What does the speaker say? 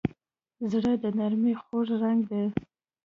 زړه د نرمۍ خوږ رنګ دی.